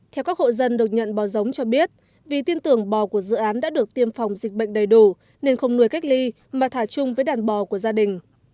theo các hộ dân được nhận bò giống cho biết vì tin tưởng bò của dự án đã được tiêm phòng dịch bệnh đầy đủ nên không nuôi cách ly mà thả chung với đàn bò của gia đình